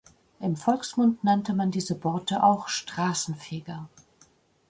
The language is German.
Im Volksmund nannte man diese Borte auch „Straßenfeger“.